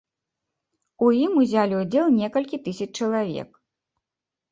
У ім узялі ўдзел некалькі тысяч чалавек.